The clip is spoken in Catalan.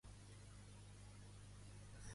Quina va ser la seva obra debut com a actriu?